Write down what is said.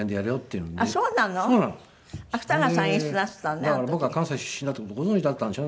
だから僕が関西出身だとご存じだったんでしょう。